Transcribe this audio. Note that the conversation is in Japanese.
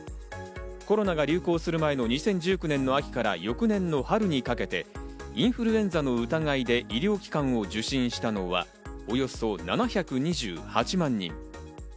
コロナが流行する前の２０１９年の秋から翌年の春にかけてインフルエンザの疑いで医療機関を受診したのはおよそ７２８万人。